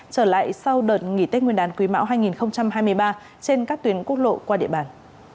trở lại sau đợt nghỉ tết nguyên đán quý mão hai nghìn hai mươi ba trên các tuyến quốc lộ qua địa bàn